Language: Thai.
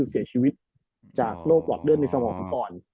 มีสินค้าของเด้อในสมอง